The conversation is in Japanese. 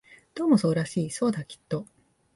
どうもそうらしい、そうだ、きっと